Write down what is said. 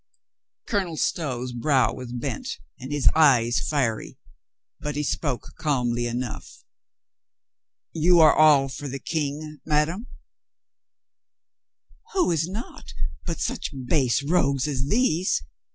Colonel Stow's brow was bent, and his eyes fiery, but he spoke calmly enough. "You are all for the King, madame?" "Who is not but such base rogues as these?"